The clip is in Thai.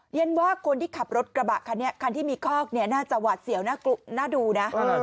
เรียนว่าคนที่ขับรถกระบะคันนี้คันที่มีคอกเนี่ยน่าจะหวาดเสียวน่าดูนะ